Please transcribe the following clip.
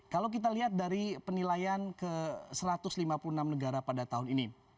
kalau kita lihat dari penilaian ke satu ratus lima puluh enam negara pada tahun ini